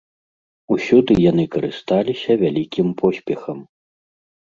Усюды яны карысталіся вялікім поспехам.